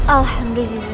alhamdulillah rupiah amin